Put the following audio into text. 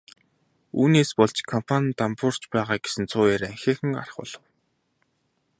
Үүнээс болж компани нь дампуурч байгаа гэсэн цуу яриа ихээхэн гарах болов.